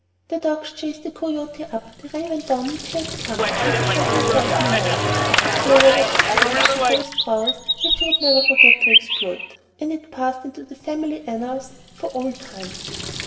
The dogs chased the coyote up the ravine down which he had come, and he showed himself no more; but Clover was so proud of her boy's prowess that she never forgot the exploit, and it passed into the family annals for all time.